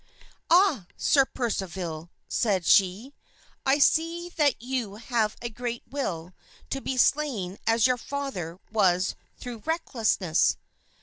"Ah! Sir Percival," said she, "I see that you have a great will to be slain as your father was through recklessness."